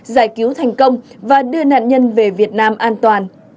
giải cứu thành công và đưa nạn nhân về việt nam an toàn